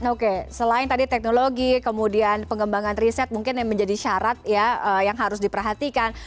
oke selain tadi teknologi kemudian pengembangan riset mungkin yang menjadi syarat ya yang harus diperhatikan